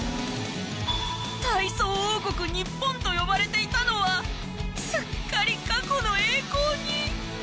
「体操王国ニッポン」と呼ばれていたのはすっかり過去の栄光に。